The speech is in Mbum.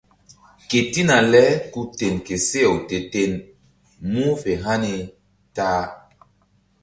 Ketina le ku ten ke seh-aw te-ten mu̧h fe hani ta-a.